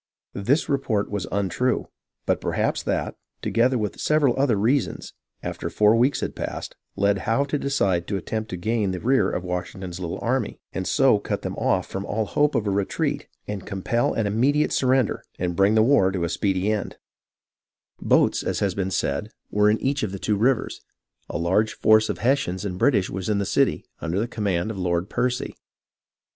This report was untrue, but perhaps that, together with several other reasons, after four weeks had passed, led Howe to decide to attempt to gain the rear of Wash ington's little army, and so cut them off from all hope of a retreat, and compel an immediate surrender, and bring the war to a speedy end. EVENTS IN AND NEAR NEW YORK 12/ Boats, as has been said, were in each of the two rivers. A large force of Hessians and British was in the city, under the command of Lord Percy.